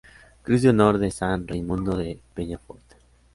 Cruz de Honor de San Raimundo de Peñafort.